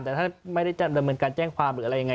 แต่ถ้าไม่ได้จำเป็นเหมือนกันแจ้งความหรืออะไรยังไง